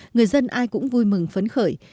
người dân ai cũng vui mừng phấn khởi